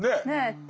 って。